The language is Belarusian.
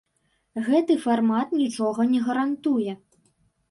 Гэты фармат нічога не гарантуе.